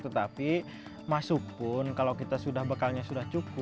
tetapi masuk pun kalau kita sudah bekalnya sudah cukup